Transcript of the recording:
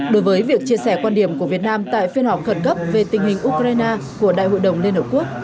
đối với việc chia sẻ quan điểm của việt nam tại phiên họp khẩn cấp về tình hình ukraine của đại hội đồng liên hợp quốc